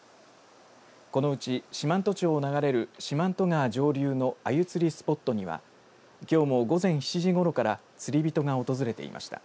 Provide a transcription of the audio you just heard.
このうち四万十町を流れる四万十川上流のアユ釣りスポットにはきょうも午前７時ごろから釣り人が訪れていました。